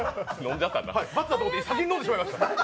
罰だと思って、先に飲んでしまいました。